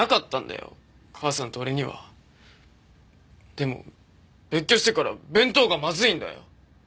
でも別居してから弁当がまずいんだよ。